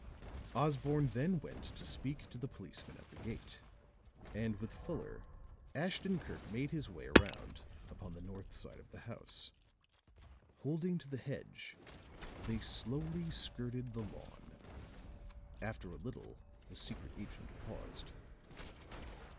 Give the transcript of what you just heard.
Osborne then went to speak to the policeman at the gate; and, with Fuller, Ashton Kirk made his way around upon the north side of the house. Holding to the hedge they slowly skirted the lawn. After a little the secret agent paused.